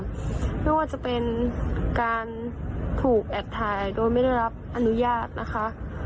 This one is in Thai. ไม่ว่าจะเป็นการถูกแอบถ่ายโดยไม่ได้รับอนุญาตนะคะ